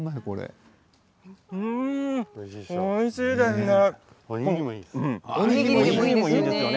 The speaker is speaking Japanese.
おいしいですね。